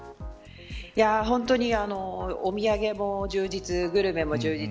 本当にお土産も充実グルメも充実